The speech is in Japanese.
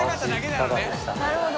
なるほど。